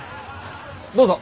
どうぞ。